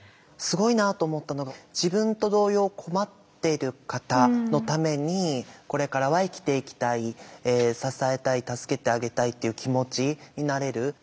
すごいなと思ったのが自分と同様困っている方のためにこれからは生きていきたい支えたい助けてあげたいっていう気持ちになれる。